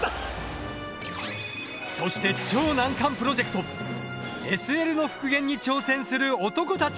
そして超難関プロジェクトＳＬの復元に挑戦する男たちの物語。